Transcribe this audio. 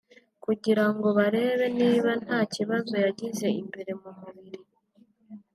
kugira ngo barebe niba nta kibazo yagize imbere mu mubiri